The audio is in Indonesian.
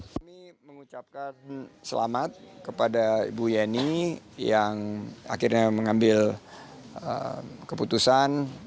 kami mengucapkan selamat kepada ibu yeni yang akhirnya mengambil keputusan